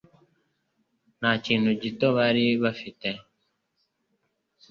Nta kintu gito bari bafite